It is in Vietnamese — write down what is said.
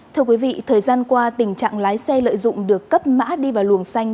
thưa quý vị thời gian qua tình trạng lái xe lợi dụng được cấp mã đi vào luồng xanh